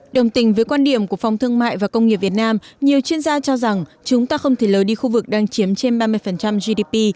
đồng tình với quan điểm của phòng thương mại và công nghiệp việt nam nhiều chuyên gia cho rằng chúng ta không thể lời đi khu vực đang chiếm trên ba mươi gdp